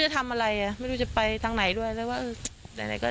ทำไมเราถึงยัง